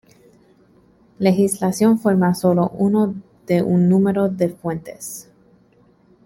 Legislación forma sólo uno de un número de fuentes.